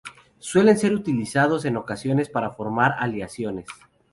Suelen ser utilizados en ocasiones para formar aleaciones.